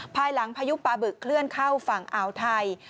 ภายหลังพายุปลาบึกเคลื่อนเข้าฝั่งอ่าวไทย